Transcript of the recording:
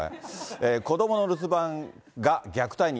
子どもの留守番が虐待に？